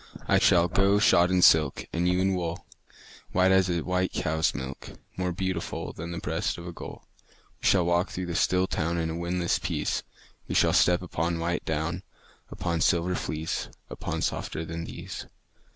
I shall go shod in silk, And you in wool, White as a white cow's milk, More beautiful Than the breast of a gull. We shall walk through the still town In a windless peace; We shall step upon white down, Upon silver fleece, Upon softer than these.